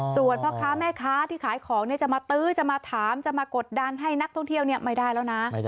ส่วนพ่อค้าแม่ค้าที่ขายของจะมาตื้อจะมาถามจะมากดดันให้นักท่องเที่ยวไม่ได้แล้วนะ